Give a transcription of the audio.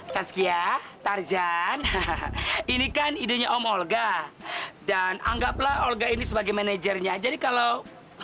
saskia tarjan ini kan idenya omolga dan anggaplah olga ini sebagai manajernya jadi kalau